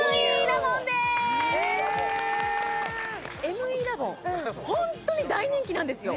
ＭＥラボンホントに大人気なんですよ